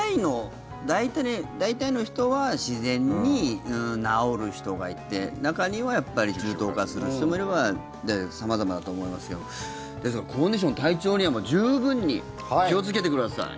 大体の人は自然に治る人がいて中には重症化する人もいれば様々だと思いますけどコンディション、体調には十分に気をつけてください。